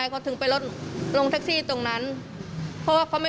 กล้องหน้า